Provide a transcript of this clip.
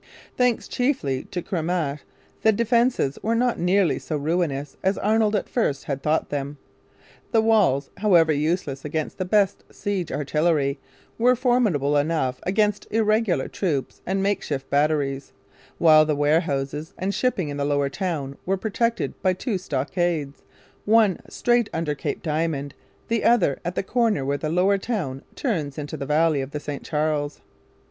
Thanks chiefly to Cramahe, the defences were not nearly so 'ruinous' as Arnold at first had thought them. The walls, however useless against the best siege artillery, were formidable enough against irregular troops and makeshift batteries; while the warehouses and shipping in the Lower Town were protected by two stockades, one straight under Cape Diamond, the other at the corner where the Lower Town turns into the valley of the St Charles.